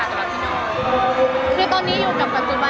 สวัสดีค่ะคุณลูกค้าสวัสดีค่ะ